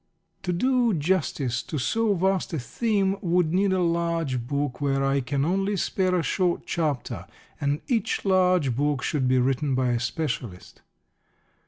To do justice to so vast a theme would need a large book where I can only spare a short chapter, and each large book should be written by a specialist.